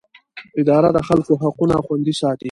اداره د خلکو حقونه خوندي ساتي.